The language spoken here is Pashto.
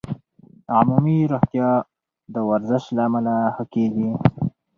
عمومي روغتیا د ورزش له امله ښه کېږي.